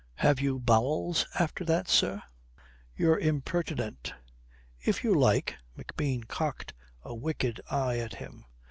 Have you bowels after all, sir?" "You're impertinent." "If you like." McBean cocked a wicked eye at him.